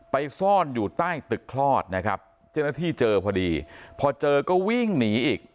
ซ่อนอยู่ใต้ตึกคลอดนะครับเจ้าหน้าที่เจอพอดีพอเจอก็วิ่งหนีอีก